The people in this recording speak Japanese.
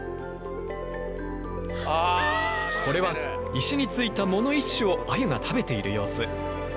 これは石についた藻の一種をアユが食べている様子。